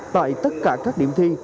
tại tất cả các điểm thi